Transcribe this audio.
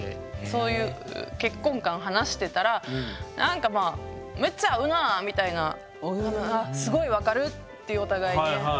そういう結婚観を話してたらなんかまあむっちゃ合うなぁみたいなすごい分かるってお互いにね。